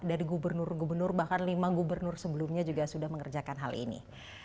dari gubernur gubernur bahkan lima gubernur sebelumnya juga sudah mengerjakan hal ini